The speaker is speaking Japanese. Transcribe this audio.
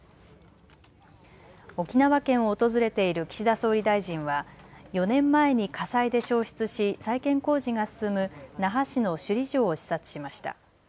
沖縄県を訪れている岸田総理大臣は４年前に火災で焼失し再建工事が進む那覇市の首里城を視察しました。